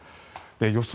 予想